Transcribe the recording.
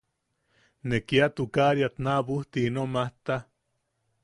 Ne kia tukariat naabujti ino majta.